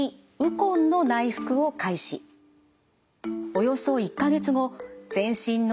およそ１か月後全身のけん怠感